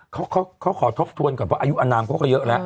เขาขอทบทวนก่อนเพราะอายุอนามเขาก็เยอะแล้ว